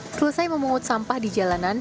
selesai memungut sampah di jalanan